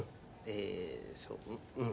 えーそう。